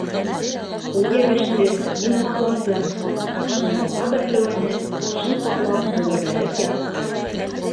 Ул йәбеште, мин һаҡландым, -Ташлыйылға бәһлеүәне башын ҡаплап бөгәрләнеп ятты.